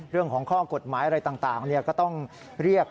เรื่องของข้อกฎหมายอะไรต่างก็ต้องเรียก